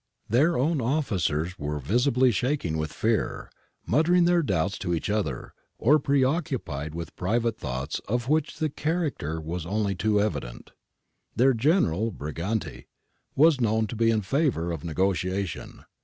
Their own officers were visibly shaking 136 GARIBALDI AND THE MAKING OF ITALY with fear, muttering their doubts to each other, or pre occupied with private thoughts of which the character was only too evident. Their General, Briganti, was known to be in favour of negotiation.